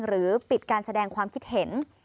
หรือปิดการแสดงความคิดเห็น